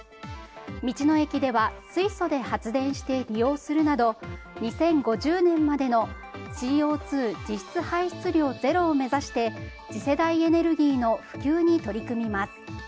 道の駅では水素で発電して利用するなど２０５０年までのＣＯ２実質排出量ゼロを目指して次世代エネルギーの普及に取り組みます。